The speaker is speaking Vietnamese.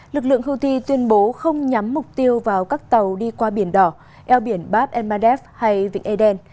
lực lượng houthi tuyên bố không nhắm mục tiêu vào các tàu đi qua biển đỏ eo biển bab elmade hay vịnh eden